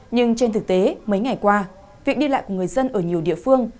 nhưng trên thực tế mấy ngày qua việc đi lại của người dân ở nhiều địa phương